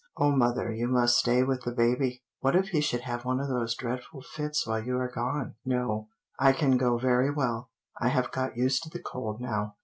"O mother, you must stay with the baby what if he should have one of those dreadful fits while you are gone! No, I can go very well; I have got used to the cold now."